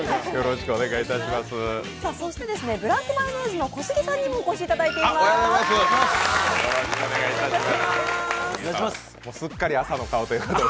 ブラックマヨネーズの小杉さんにもお越しいただきました。